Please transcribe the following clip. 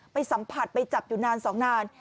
ไปสัมผัสไปจับอยู่นานสองนาน